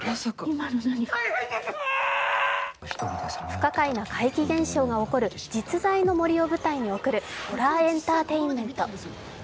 不可解な怪奇現象が起きる実在の森を舞台に起きるホラーエンターテインメント。